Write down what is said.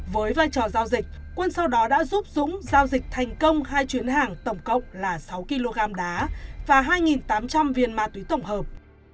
với vai trò giao dịch quân sau đó đã giúp dũng giao dịch thành công hai chuyến hàng tổng cộng là sáu kg đá và hai tám trăm linh viên ma túy tổng hợp